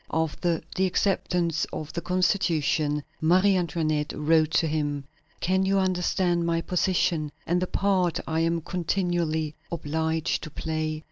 After the acceptance of the Constitution, Marie Antoinette wrote to him: "Can you understand my position and the part I am continually obliged to play?